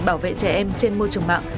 bảo vệ trẻ em trên môi trường mạng